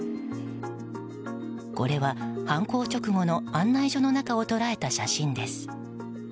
これは、犯行直後の案内所の中を捉えた写真です。